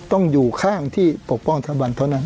ต้องอยู่ข้างที่ปกป้องสถาบันเท่านั้น